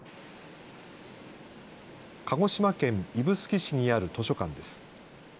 鹿児島県指宿市にある図書館です。